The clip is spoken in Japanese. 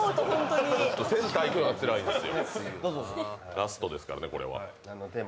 ラストですからね、これは。